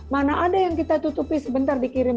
mana ada yang kita tutupi sebentar dikirim